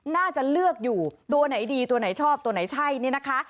น่าจะเลือกอยู่ตัวไหนดีตัวไหนชอบตัวไหนใช่เนี่ยนะคะ